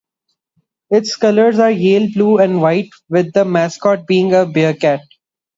Its colors are Yale Blue and white, with the mascot being the bearcat.